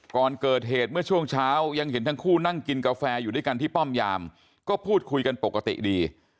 ก่อนเกิดเหตุเมื่อช่วงเช้ายังเห็นทั้งคู่นั่งกินกาแฟอยู่ด้วยกันที่ป้อมยามก็พูดคุยกันปกติดี